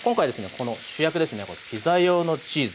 この主役ですねピザ用のチーズ。